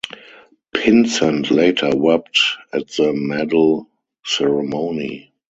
Pinsent later wept at the medal ceremony.